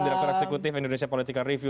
direktur eksekutif indonesia political review